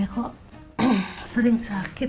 kok sering sakit